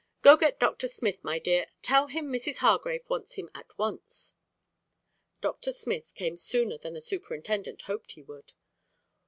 "Go get Doctor Smith, my dear; tell him Mrs. Hargrave wants him at once." Doctor Smith came sooner than the superintendent hoped he would.